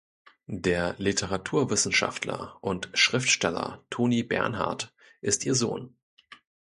Der Literaturwissenschaftler und Schriftsteller Toni Bernhart ist ihr Sohn.